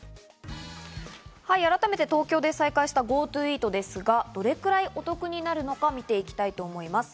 改めて東京で再開したＧｏＴｏＥａｔですが、どれくらいお得になるのか見ていきたいと思います。